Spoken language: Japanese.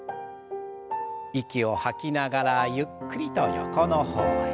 息を吐きながらゆっくりと横の方へ。